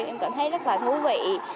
em cảm thấy rất là thú vị